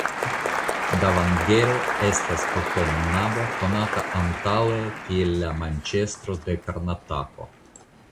Davangere estas kotonnabo konata antaŭe kiel la Manĉestro de Karnatako.